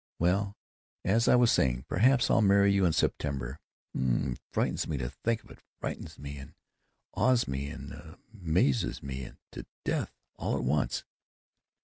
Well, as I was saying, perhaps I'll marry you in September (um! frightens me to think of it; frightens me and awes me and amuses me to death, all at once).